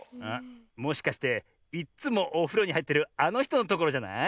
もしかしていっつもおふろにはいってるあのひとのところじゃない？